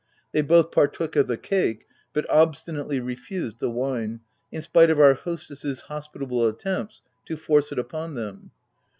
They both par took of the cake, but obstinately refused the wine, in spite of their hostess's hospitable at tempts to force it upon them.